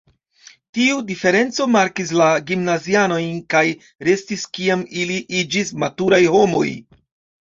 Tiu diferenco markis la gimnazianojn kaj restis kiam ili iĝis maturaj homoj.